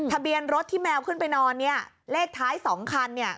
ทะเบียนรถที่แมวขึ้นไปนอนเลขท้าย๒คัน